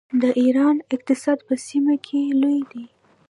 د ایران اقتصاد په سیمه کې لوی دی.